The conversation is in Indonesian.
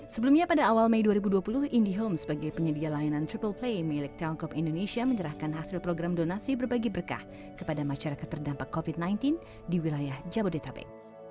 sebelumnya pada awal mei dua ribu dua puluh indihome sebagai penyedia layanan triple play milik telkom indonesia menyerahkan hasil program donasi berbagi berkah kepada masyarakat terdampak covid sembilan belas di wilayah jabodetabek